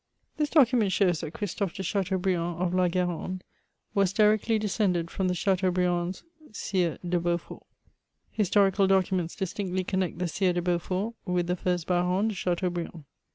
This document shows that Christophe de Chateaubriand of la Gu^rande was directlv descended from the Chateaubriands, Sires de Beaufort. Historicid documents ^tinctly connect the Sires de Beaufort with the first Barons de Chateaubriand.